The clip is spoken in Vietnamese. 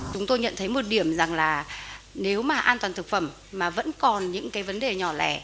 chúng tôi nhận thấy một điểm rằng là nếu mà an toàn thực phẩm mà vẫn còn những cái vấn đề nhỏ lẻ